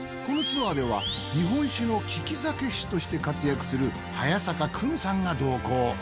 このツアーでは日本酒のき酒師として活躍する早坂久美さんが同行。